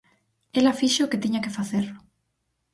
Ela fixo o que tiña que facer.